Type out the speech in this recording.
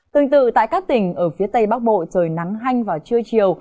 tương tự tại các tỉnh ở phía tây bắc bộ trời nắng hanh vào trưa chiều